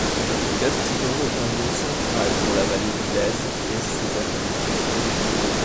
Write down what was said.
Castillon est un bourg central pour la vallée du Lez et ses affluents.